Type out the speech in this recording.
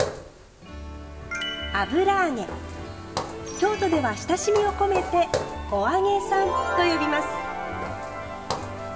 京都では親しみを込めて「お揚げさん」と呼びます。